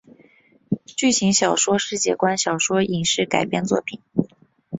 剧情小说世界观小说影视改编作品